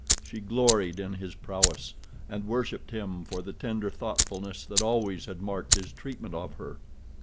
She gloried in his prowess and worshipped him for the tender thoughtfulness that always had marked his treatment of her.